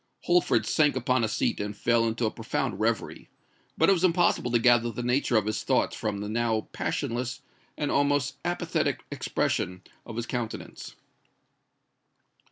Holford sank upon a seat and fell into a profound reverie; but it was impossible to gather the nature of his thoughts from the now passionless and almost apathetic expression of his countenance.